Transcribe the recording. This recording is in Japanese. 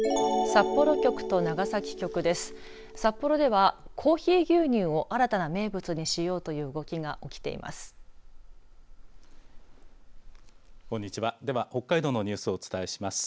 札幌ではコーヒー牛乳を新たな名物にしようという動きが起きています。